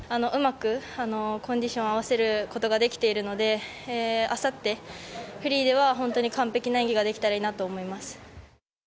うまくコンディションを合わせることができているので、あさって、フリーでは本当に完璧な演技ができたらいいなと思います。